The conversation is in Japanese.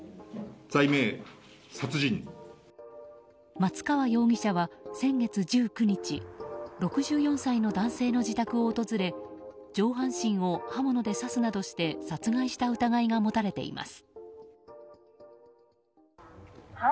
松川容疑者は先月１９日６４歳の男性の自宅を訪れ上半身を刃物で刺すなどして殺害した疑いが持たれています。